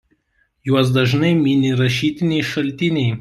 Juos dažnai mini rašytiniai šaltiniai.